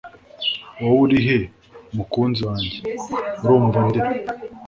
Wowe urihe mukunzi wanjye Urumva ndira